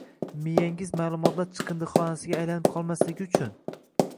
Miyangiz ma’lumotlar chiqindixonasiga aylanib qolmasligi uchun